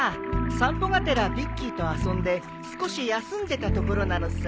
散歩がてらビッキーと遊んで少し休んでたところなのさ。